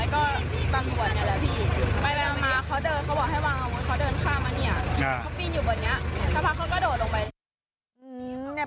ก็พักเขาก็โดดลงไป